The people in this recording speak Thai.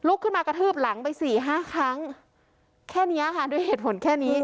ขึ้นมากระทืบหลังไปสี่ห้าครั้งแค่นี้ค่ะด้วยเหตุผลแค่นี้